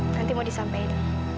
nanti mau disampein